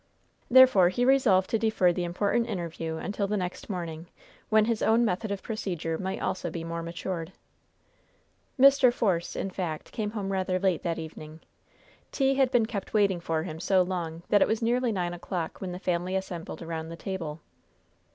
Therefore he resolved to defer the important interview until the next morning, when his own method of procedure might also be more matured. Mr. Force, in fact, came home rather late that evening. Tea had been kept waiting for him so long that it was nearly nine o'clock when the family assembled around the table.